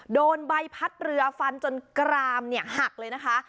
โดนใบพัดเรือฟันจนกรามหักเลยนะคะ